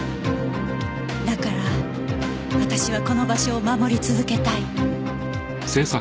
だから私はこの場所を守り続けたい